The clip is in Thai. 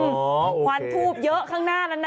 ควันทูบเยอะข้างหน้าแล้วนะ